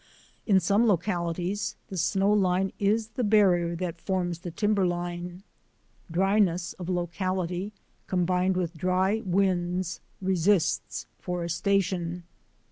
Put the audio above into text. In some localities the snow line is the har rier that forms the timberline. Dryness of locality combined with dry winds resists forestation.